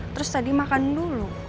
terus tadi makan dulu